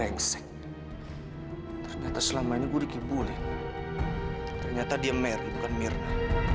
brengsek ternyata selama ini gua dikibulin ternyata dia mary bukan mirna